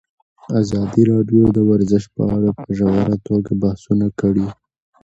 ازادي راډیو د ورزش په اړه په ژوره توګه بحثونه کړي.